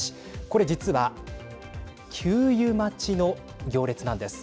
これ実は給油待ちの行列なんです。